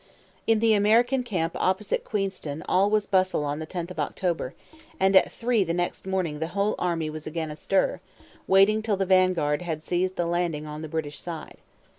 In the American camp opposite Queenston all was bustle on the 10th of October; and at three the next morning the whole army was again astir, waiting till the vanguard had seized the landing on the British side.